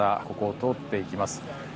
ここを通っていきます。